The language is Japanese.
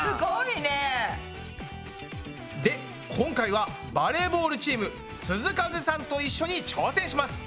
で今回はバレーボールチーム「涼風」さんと一緒に挑戦します。